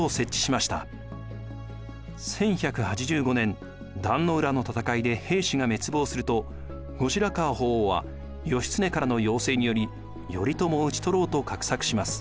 １１８５年壇の浦の戦いで平氏が滅亡すると後白河法皇は義経からの要請により頼朝を討ち取ろうと画策します。